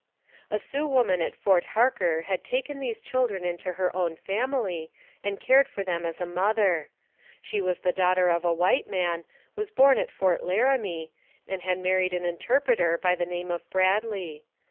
A Sioux woman at Fort Harker had taken these children into her own family and cared for them as a mother. She was the daughter of a white man, was born at Fort Laramie, and had married an interpreter by the name of Bradley.